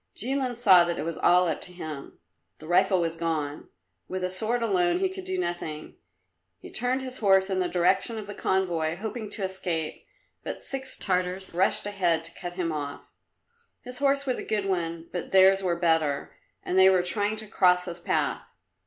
Jilin saw that it was all up with him. The rifle was gone; with a sword alone he could do nothing. He turned his horse in the direction of the convoy, hoping to escape, but six Tartars rushed ahead to cut him off. His horse was a good one, but theirs were better, and they were trying to cross his path.